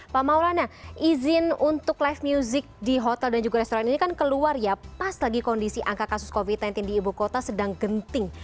pak maulana izin untuk live music di hotel dan juga restoran ini kan keluar ya pas lagi kondisi angka kasus covid sembilan belas di ibu kota sedang genting